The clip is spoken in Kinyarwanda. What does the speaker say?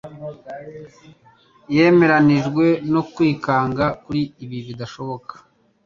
Yemeranijwe no 'kwikanga kuri ibi bidashoboka